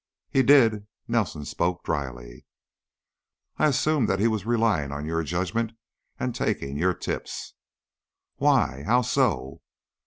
"He did." Nelson spoke dryly. "I assumed that he was relying on your judgment and taking your tips." "Why? How so?"